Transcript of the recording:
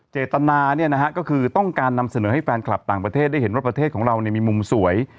เจตนาก็คือต้องการนำเสนอให้แฟนคลับต่างประเทศได้เห็นว่าประเทศของเรามีมุมสวย